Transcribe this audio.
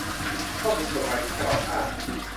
ข้อมูลกฎหมายทุกฉบับ ห้า